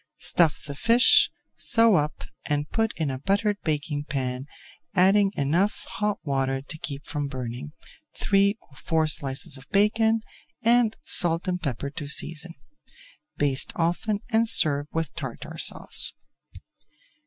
Stuff the fish, sew up and put in a buttered baking pan, adding enough hot water to keep from burning, three or four slices of bacon, and salt and pepper to season. Baste often and serve with Tartar Sauce.